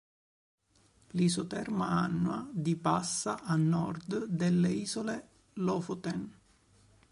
L'isoterma annua di passa a nord delle isole Lofoten.